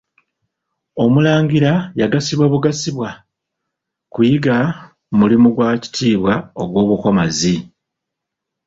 Omulangira yagasibwa bugasibwa kuyiga mulimu gwa kitiibwa ogw'obukomazi.